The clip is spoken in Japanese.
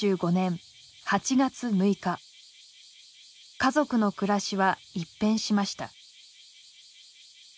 家族の暮らしは一変しました。